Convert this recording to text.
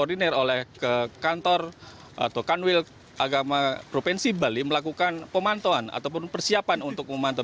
dan di sini juga terdiri dari kantor atau kanwil agama provinsi bali melakukan pemantauan ataupun persiapan untuk memantau